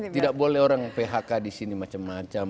tidak boleh orang phk di sini macam macam